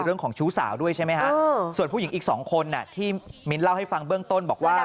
เรื่องของชู้สาวด้วยใช่ไหมด้วยผู้หญิงอีกสองคนนะที่เหมียล่าให้ฟังเบื้องต้นบอกว่า